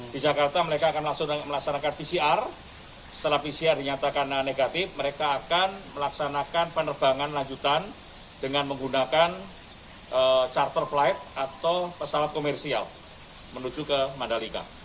di jakarta mereka akan langsung melaksanakan pcr setelah pcr dinyatakan negatif mereka akan melaksanakan penerbangan lanjutan dengan menggunakan charter flight atau pesawat komersial menuju ke mandalika